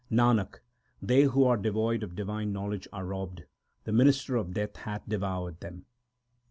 Nanak, they who are devoid of divine knowledge are robbed ; the minister of death hath devoured them.